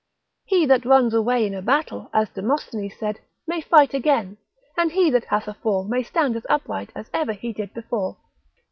He that runs away in a battle, as Demosthenes said, may fight again; and he that hath a fall may stand as upright as ever he did before.